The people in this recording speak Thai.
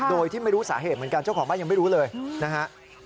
โดยที่ไม่รู้สาเหตุเหมือนกันเจ้าของบ้านยังไม่รู้เลยนะฮะ